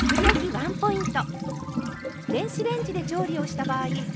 ワンポイント。